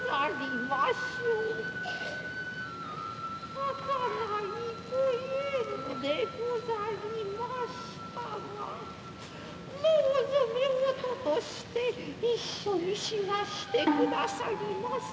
はかないご縁でござりましたがどうぞ女夫として一緒に死なしてくださりませ。